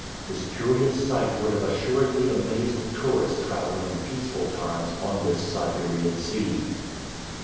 This curious sight would have assuredly amazed a tourist traveling in peaceful times on this Siberian sea.